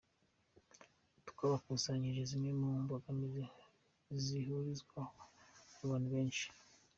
Twabakusanyirije zimwe mu mbogamizi zizahurirwaho n’abantu benshi.